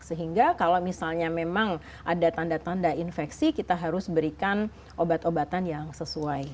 sehingga kalau misalnya memang ada tanda tanda infeksi kita harus berikan obat obatan yang sesuai